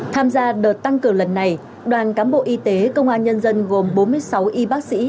tham gia đợt tăng cường lần này đoàn cán bộ y tế công an nhân dân gồm bốn mươi sáu y bác sĩ